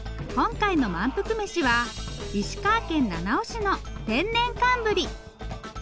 今回の「まんぷくメシ！」は石川県七尾市の天然寒ブリ。